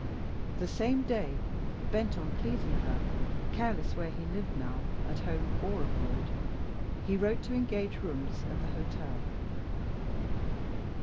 The same day bent on pleasing her, careless where he lived now, at home or abroad he wrote to engage rooms at the hotel.